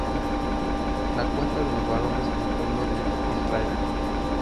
La cuenta de los varones del pueblo de Israel.